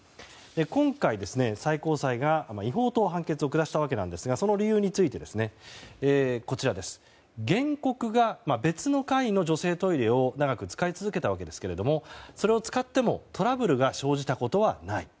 今回、最高裁が違法と判決を下したわけなんですがその理由について原告が別の階の女性トイレを長く使い続けたわけですがそれを使ってもトラブルが生じたことはない。